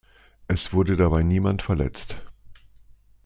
Es wurde dabei niemand verletzt.